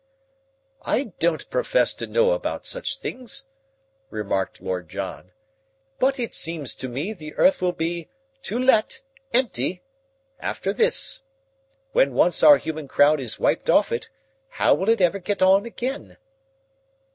"I don't profess to know about such things," remarked Lord John, "but it seems to me the earth will be 'To let, empty,' after this. When once our human crowd is wiped off it, how will it ever get on again?"